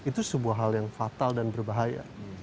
itu sebuah hal yang fatal dan berbahaya